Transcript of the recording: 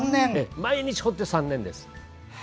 毎日彫って３年です。